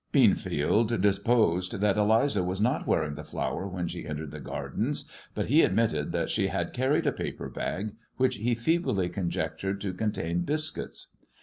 Beanfield deposed that Eliza was not wearing the flower when she entered the Gardens, but he admitted that she had carried a paper bag, which he feebly conjectured to contain biscuits.